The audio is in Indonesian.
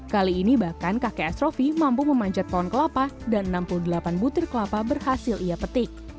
kali ini bahkan kakek as rofi mampu memanjat pohon kelapa dan enam puluh delapan butir kelapa berhasil ia petik